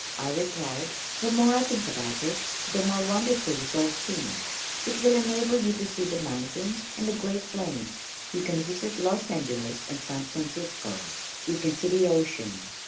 I replied, "The more I think about it, the more wonderful it all seems. It will enable you to see the mountains, and the great plains. You can visit Los Angeles and San Francisco. You can see the ocean.